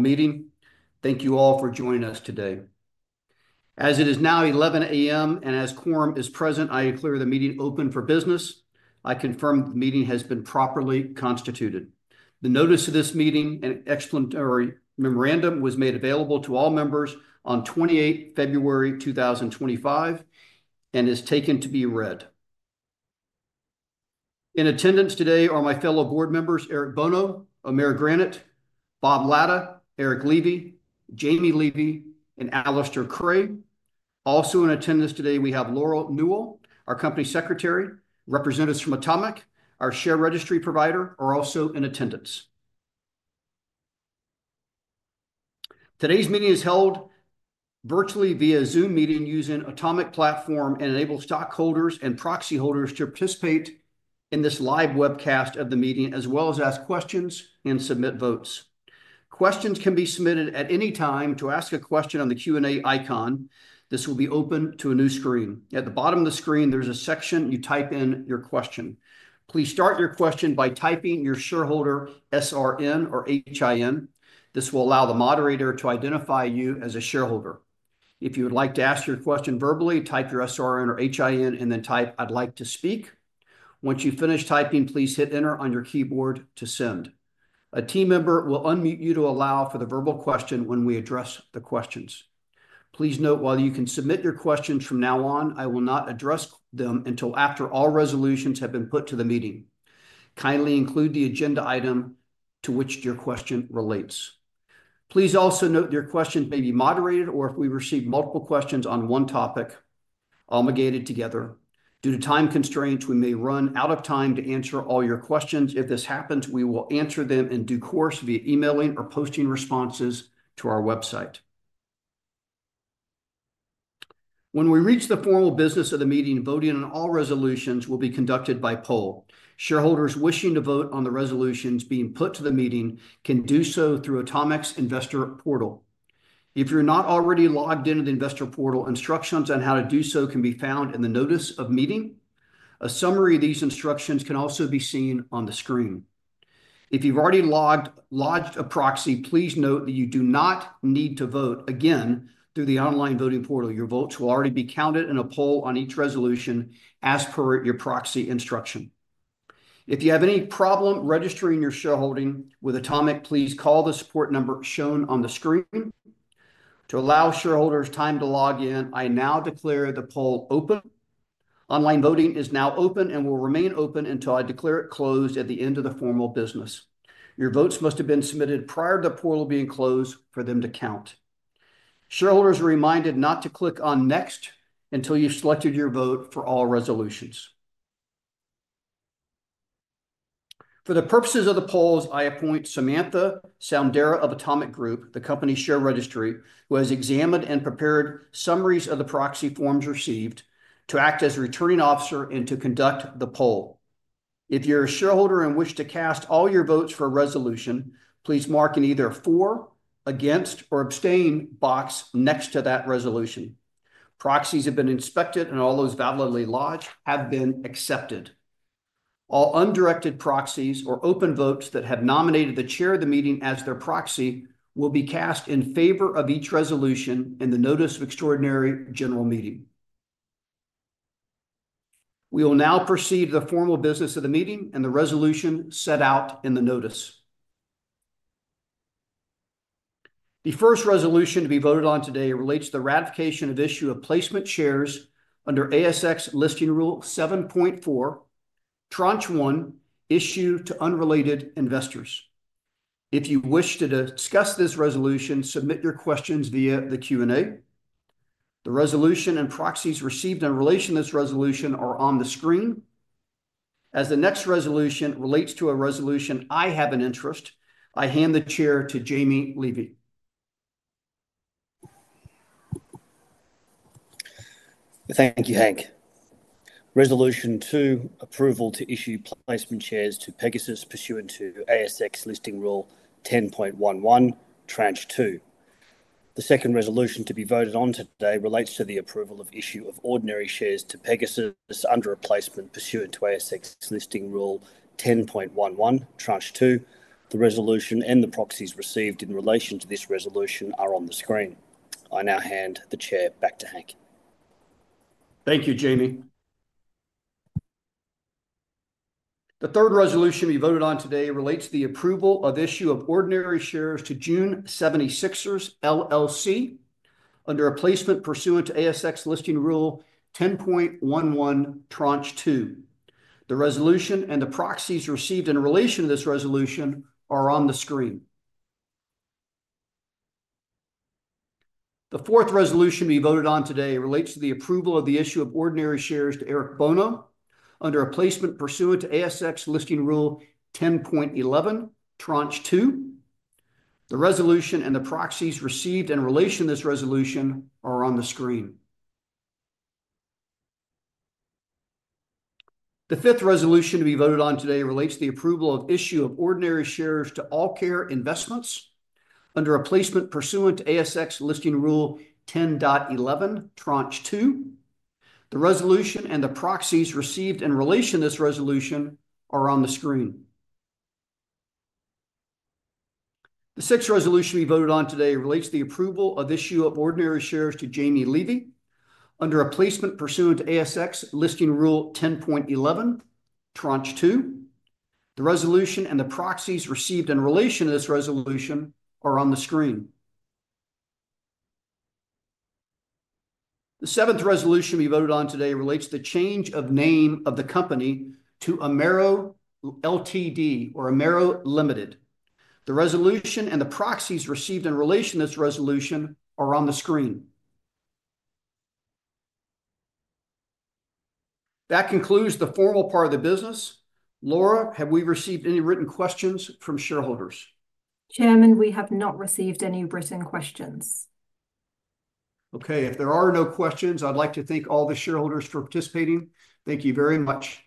Meeting. Thank you all for joining us today. As it is now 11:00 A.M., and as quorum is present, I declare the meeting open for business. I confirm the meeting has been properly constituted. The notice of this meeting and explanatory memorandum was made available to all members on 28 February 2025 and is taken to be read. In attendance today are my fellow board members, Eric Bono, Amara Granite, Bob Latta, Eric Levy, Jamie Levy, and Alastair Cray. Also in attendance today, we have Laura Newell, our Company Secretary. Representatives from Automic, our share registry provider, are also in attendance. Today's meeting is held virtually via Zoom meeting using Automic platform and enables stockholders and proxy holders to participate in this live webcast of the meeting, as well as ask questions and submit votes. Questions can be submitted at any time. To ask a question on the Q&A icon, this will be open to a new screen. At the bottom of the screen, there's a section you type in your question. Please start your question by typing your shareholder SRN or HIN. This will allow the moderator to identify you as a shareholder. If you would like to ask your question verbally, type your SRN or HIN and then type "I'd like to speak." Once you finish typing, please hit Enter on your keyboard to send. A team member will unmute you to allow for the verbal question when we address the questions. Please note, while you can submit your questions from now on, I will not address them until after all resolutions have been put to the meeting. Kindly include the agenda item to which your question relates. Please also note that your questions may be moderated or, if we receive multiple questions on one topic, amalgamated together. Due to time constraints, we may run out of time to answer all your questions. If this happens, we will answer them in due course via emailing or posting responses to our website. When we reach the formal business of the meeting, voting on all resolutions will be conducted by poll. Shareholders wishing to vote on the resolutions being put to the meeting can do so through Automic's Investor Portal. If you're not already logged into the Investor Portal, instructions on how to do so can be found in the notice of meeting. A summary of these instructions can also be seen on the screen. If you've already lodged a proxy, please note that you do not need to vote again through the online voting portal. Your votes will already be counted in a poll on each resolution as per your proxy instruction. If you have any problem registering your shareholding with Automic, please call the support number shown on the screen. To allow shareholders time to log in, I now declare the poll open. Online voting is now open and will remain open until I declare it closed at the end of the formal business. Your votes must have been submitted prior to the portal being closed for them to count. Shareholders are reminded not to click on "Next" until you've selected your vote for all resolutions. For the purposes of the polls, I appoint Samantha Soundara of Automic Group, the company share registry, who has examined and prepared summaries of the proxy forms received to act as a Returning Officer and to conduct the poll. If you're a shareholder and wish to cast all your votes for a resolution, please mark in either "For," "Against," or "Abstain" box next to that resolution. Proxies have been inspected, and all those validly lodged have been accepted. All undirected proxies or open votes that have nominated the chair of the meeting as their proxy will be cast in favor of each resolution notice of Extraordinary General Meeting. we will now proceed to the formal business of the meeting and the resolution set out in the notice. The first resolution to be voted on today relates to the ratification of issue of placement shares under ASX Listing Rule 7.4, Tranche 1, Issue to Unrelated Investors. If you wish to discuss this resolution, submit your questions via the Q&A. The resolution and proxies received in relation to this resolution are on the screen. As the next resolution relates to a resolution I have an interest, I hand the chair to Jamie Levy. Thank you, Hank. Resolution 2, Approval to Issue Placement Shares to Pegasus pursuant to ASX Listing Rule 10.11, Tranche 2. The second resolution to be voted on today relates to the approval of issue of ordinary shares to Pegasus under a placement pursuant to ASX Listing Rule 10.11, Tranche 2. The resolution and the proxies received in relation to this resolution are on the screen. I now hand the chair back to Hank. Thank you, Jamie. The third resolution to be voted on today relates to the approval of issue of ordinary shares to Gen 76ers under a placement pursuant to ASX Listing Rule 10.11, Tranche 2. The resolution and the proxies received in relation to this resolution are on the screen. The fourth resolution to be voted on today relates to the approval of the issue of ordinary shares to Eric Bono under a placement pursuant to ASX Listing Rule 10.11, Tranche 2. The resolution and the proxies received in relation to this resolution are on the screen. The fifth resolution to be voted on today relates to the approval of issue of ordinary shares to AllCare Investments under a placement pursuant to ASX Listing Rule 10.11, Tranche 2. The resolution and the proxies received in relation to this resolution are on the screen. The sixth resolution to be voted on today relates to the approval of issue of ordinary shares to Jamie Levy under a placement pursuant to ASX Listing Rule 10.11, Tranche 2. The resolution and the proxies received in relation to this resolution are on the screen. The seventh resolution to be voted on today relates to the change of name of the company to Amaro Limited. The resolution and the proxies received in relation to this resolution are on the screen. That concludes the formal part of the business. Laura, have we received any written questions from shareholders? Chairman, we have not received any written questions. Okay. If there are no questions, I'd like to thank all the shareholders for participating. Thank you very much.